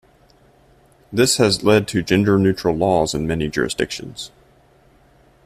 This has led to gender-neutral laws in many jurisdictions.